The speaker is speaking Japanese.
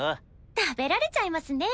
食べられちゃいますね。